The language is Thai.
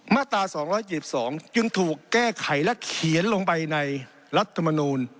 มาตรา๒๗๒จึงถูกแก้ไขและเขียนลงไปในรัฐมนูล